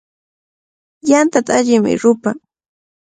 Yantaqa allimi rupan.